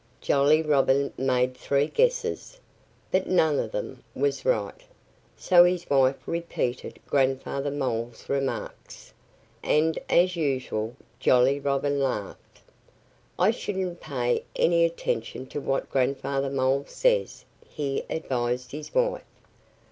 Jolly Robin made three guesses. But none of them was right. So his wife repeated Grandfather Mole's remarks. And as usual Jolly Robin laughed. "I shouldn't pay any attention to what Grandfather Mole says," he advised his wife.